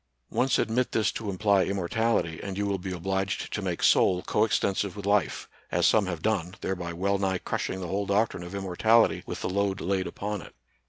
Once admit this to imply immortality and you will be obliged to make soul coextensive with life, as some have done, thereby well nigh crushing the whole doc trine of immortality with the load laid upon it.